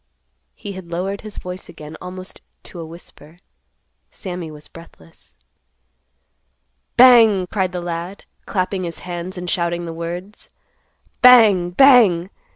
He had lowered his voice again almost to a whisper. Sammy was breathless. "Bang!" cried the lad, clapping his hands and shouting the words; "Bang! Bang!